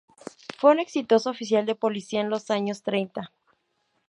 Fue un exitoso oficial de policía en los años treinta.